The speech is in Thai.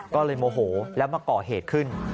ก็เลยโมโหแล้วมาก่อเหตุขึ้น